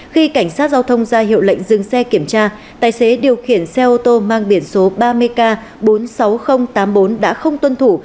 khi cảnh sát giao thông ra hiệu lệnh dừng xe kiểm tra tài xế điều khiển xe ô tô mang biển số ba mươi k bốn mươi sáu nghìn tám mươi bốn đã không tuân thủ